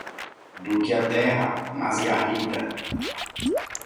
Do que a terra, mais garrida